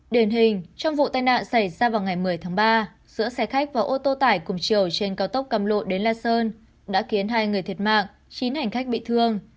điển hình trong vụ tai nạn xảy ra vào ngày một mươi tháng ba giữa xe khách và ô tô tải cùng chiều trên cao tốc cam lộ đến la sơn đã khiến hai người thiệt mạng chín hành khách bị thương